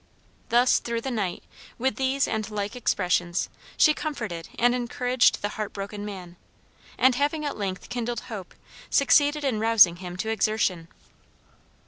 Thus through the night, with these and like expressions, she comforted and encouraged the heart broken man, and having at length kindled hope, succeeded in rousing him to exertion.